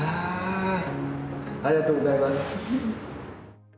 ありがとうございます。